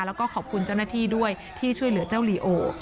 แล้วก็ขอบคุณเจ้าหน้าที่ด้วยที่ช่วยเหลือเจ้าลีโอ